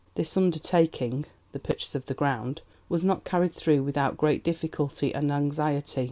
This undertaking (the purchase of the ground) was not carried through without great difficulty and anxiety.